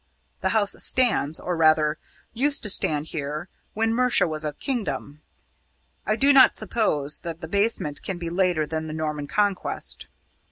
The house stands, or, rather, used to stand here when Mercia was a kingdom I do not suppose that the basement can be later than the Norman Conquest.